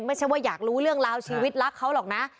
ไม่ใช่ว่าอยากรู้เรื่องราวชีวิตรักเขาหรอกนะ